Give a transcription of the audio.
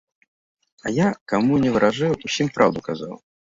А я, каму ні варажыў, усім праўду казаў.